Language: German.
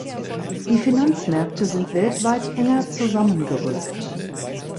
Die Finanzmärkte sind weltweit enger zusammengerückt.